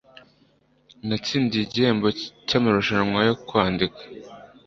Natsindiye igihembo mumarushanwa yo kwandika.